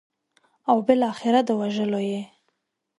او بالاخره د وژلو یې.